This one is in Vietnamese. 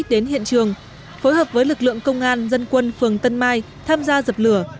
đến hiện trường phối hợp với lực lượng công an dân quân phường tân mai tham gia dập lửa